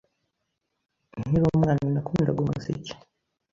Nkiri umwana nakundaga umuziki,